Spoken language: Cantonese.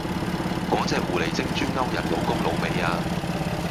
個隻狐狸精專勾人老公老尾呀！